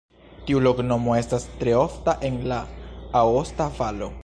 Tiu loknomo estas tre ofta en la Aosta Valo.